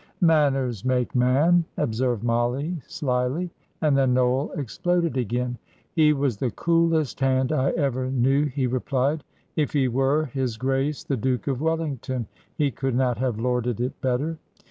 "Manners make man," observed Mollie, slyly; and then Noel exploded again. "He was the coolest hand I ever knew," he replied. "If he were his Grace the Duke of Wellington, he could not have lorded it better.